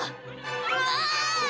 「うわ！」